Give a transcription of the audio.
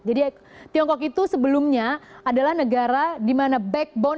jadi tiongkok itu sebelumnya adalah negara di mana backbone ekonomi